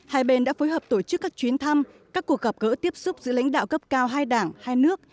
hai bên đã phối hợp tổ chức các chuyến thăm các cuộc gặp gỡ tiếp xúc giữa lãnh đạo cấp cao hai đảng hai nước